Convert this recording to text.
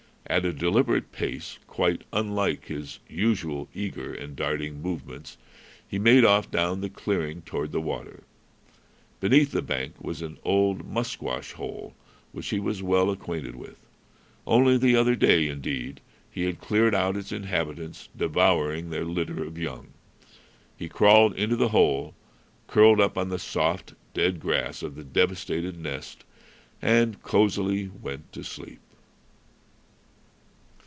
At a deliberate pace, quite unlike his usual eager and darting movements, he made off down the clearing toward the water. Beneath the bank was an old musquash hole which he was well acquainted with. Only the other day, indeed, he had cleared out its inhabitants, devouring their litter of young. He crawled into the hole, curled up on the soft, dead grass of the devastated nest, and cosily went to sleep.